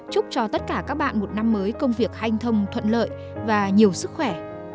chúc cho tất cả các bạn một năm mới công việc hành thông thuận lợi và nhiều sức khỏe